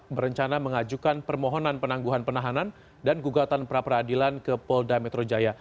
berencana mengajukan permohonan penangguhan penahanan dan gugatan pra peradilan ke polda metro jaya